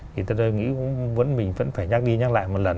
thì tôi nghĩ vẫn mình vẫn phải nhắc đi nhắc lại một lần